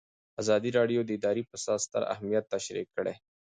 ازادي راډیو د اداري فساد ستر اهميت تشریح کړی.